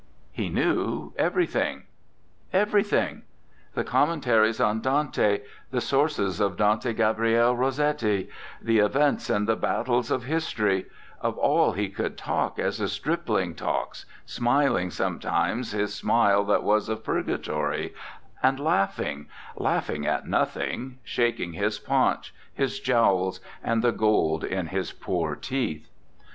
He knew everything. Everything. The commentaries on Dante; the sources of Dante Gabriel Rossetti; the events and the battles of history of all he could talk as a strip ling talks, smiling sometimes his smile that was of purgatory, and laughing laughing at nothing, shaking his paunch, his jowls, and the gold in his poor teeth.